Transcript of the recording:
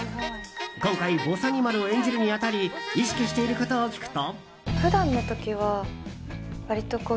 今回ぼさにまるを演じるに当たり意識していることを聞くと。